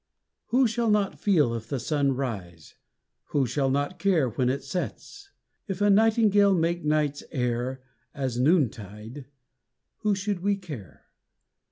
We shall not feel if the sun rise, We shall not care when it sets: If a nightingale make night's air As noontide, why should we care?